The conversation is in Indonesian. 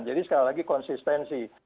jadi sekali lagi konsistensi